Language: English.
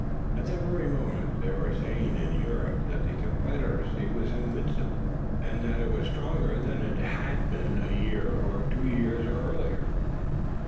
At that very moment, they were saying in Europe that the Confederacy was invincible, and that it was stronger than it had been a year or two years earlier.